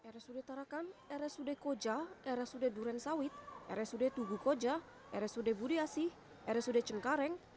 rsud tarakan rsud koja rsud duren sawit rsud tugu koja rsud budi asih rsud cengkareng